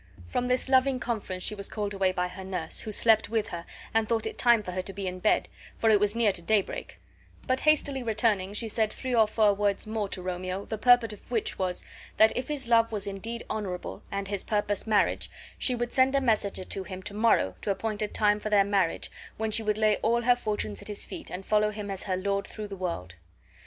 From this loving conference she was called away by her nurse, who slept with her and thought it time for her to be in bed, for it was near to daybreak; but, hastily returning, she said three or four words more to Romeo the purport of which was, that if his love was indeed honorable, and his purpose marriage, she would send a messenger to him to morrow to appoint a time for their marriage, when she would lay all her fortunes at his feet and follow him as her lord through the world.